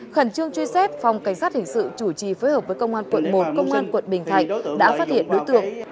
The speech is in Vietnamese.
khẩn trương truy xét phòng cảnh sát hình sự chủ trì phối hợp với công an quận một công an quận bình thạnh đã phát hiện đối tượng